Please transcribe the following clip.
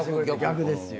逆ですよ。